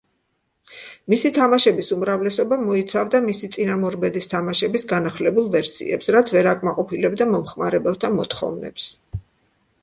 მისი თამაშების უმრავლესობა მოიცავდა მისი წინამორბედის თამაშების განახლებულ ვერსიებს, რაც ვერ აკმაყოფილებდა მომხმარებელთა მოთხოვნებს.